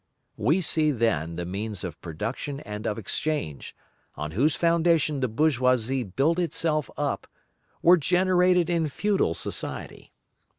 We see then: the means of production and of exchange, on whose foundation the bourgeoisie built itself up, were generated in feudal society.